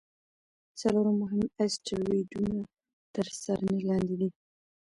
څلور مهم اسټروېډونه تر څارنې لاندې دي.